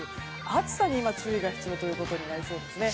暑さに注意が必要ということになりそうですね。